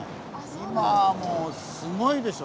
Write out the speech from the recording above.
今はもうすごいでしょ。